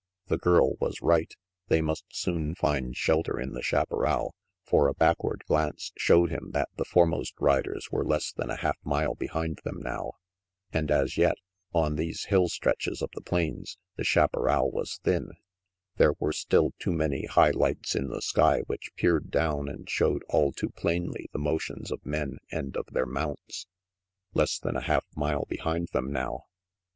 The girl was right. They must soon find shelter in the chaparral, for a backward glance showed him that the foremost riders were less than a half mile behind them now. And as yet, on these hill stretches of the plains, the chaparral was thin. There were still too many high lights in the sky which peered down and showed all too plainly the motions of men and of their mounts. Less than a half mile behind them now!